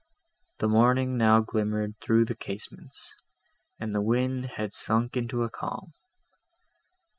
The morning now glimmered through the casements, and the wind had sunk into a calm.